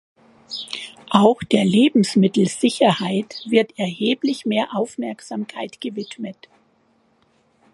Auch der Lebensmittelsicherheit wird erheblich mehr Aufmerksamkeit gewidmet.